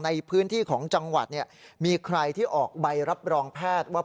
ในพื้นที่ของจังหวัดเนี่ยมีใครที่ออกใบรับรองแพทย์ว่า